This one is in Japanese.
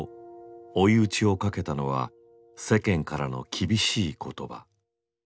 追い打ちをかけたのは世間からの厳しい言葉。